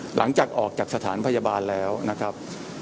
หลังจากออกจากสถานพยาบาลแล้วนะครับ